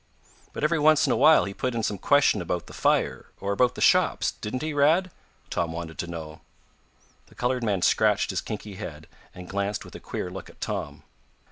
"But every once in a while he put in some question about the fire, or about our shops, didn't he, Rad?" Tom wanted to know. The colored man scratched his kinky head, and glanced with a queer look at Tom.